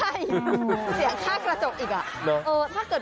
เสียงท่ากระจกอีก